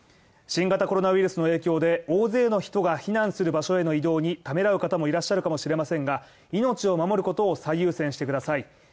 新型コロナウイルスの影響で、大勢の人が避難する場所への移動にためらう方もいらっしゃるかもしれませんが命を守ることを最優先してください。